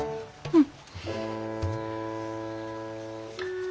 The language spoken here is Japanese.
うん。